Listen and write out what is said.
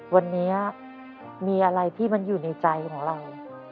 วันนี้มีอะไรที่มันอยู่ในใจของเรา